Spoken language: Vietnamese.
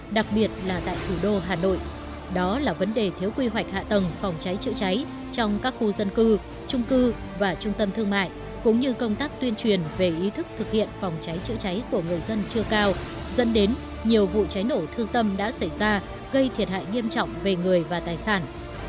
đặc biệt là tại thủ đô hà nội đó là vấn đề thiếu quy hoạch hạ tầng phòng cháy chữa cháy trong các khu dân cư trung cư và trung tâm thương mại cũng như công tác tuyên truyền về ý thức thực hiện phòng cháy chữa cháy của người dân chưa cao dẫn đến nhiều vụ cháy nổ thương tâm đã xảy ra gây thiệt hại nghiêm trọng về người và tài sản